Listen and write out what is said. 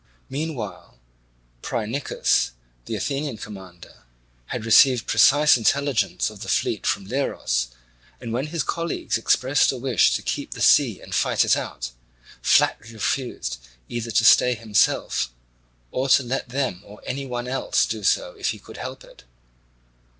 Meanwhile Phrynichus, the Athenian commander, had received precise intelligence of the fleet from Leros, and when his colleagues expressed a wish to keep the sea and fight it out, flatly refused either to stay himself or to let them or any one else do so if he could help it.